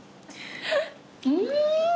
うん！